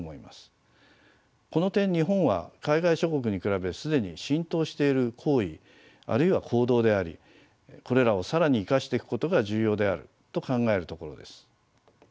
この点日本は海外諸国に比べ既に浸透している行為あるいは行動でありこれらを更に生かしていくことが重要であると考えるところです。